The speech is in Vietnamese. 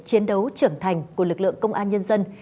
chiến đấu trưởng thành của lực lượng công an nhân dân